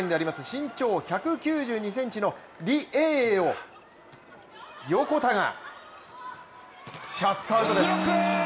身長１９２ｃｍのリ・エイエイを横田がシャットアウトです。